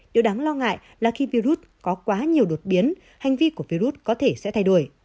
điều đáng lo ngại là khi virus có quá nhiều đột biến hành vi của virus có thể sẽ thay đổi